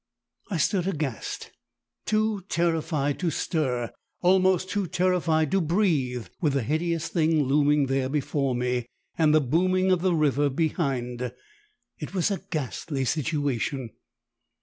"I stood aghast, too terrified to stir, almost too terrified to breathe, with the hideous Thing looming there before me, and the booming of the river behind. It was a ghastly situation.